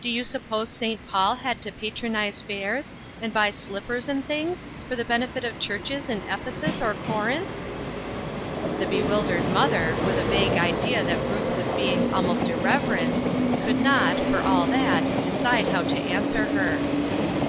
Do you suppose St. Paul had to patronize fairs, and buy slippers and things, for the benefit of churches in Ephesus or Corinth ?" The bewildered mother, with a vague idea that Ruth was being almost irreverent, could not, for all that, decide how to answer her.